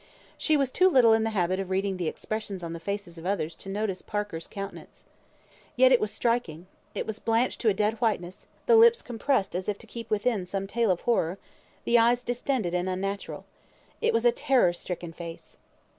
She was too little in the habit of reading expressions on the faces of others to notice Parker's countenance. Yet it was striking. It was blanched to a dead whiteness; the lips compressed as if to keep within some tale of horror; the eyes distended and unnatural. It was a terror stricken face.